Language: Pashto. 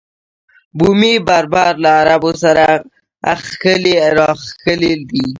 بومي بربر له عربو سره اخښلي راخښلي دي.